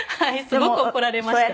すごく怒られました。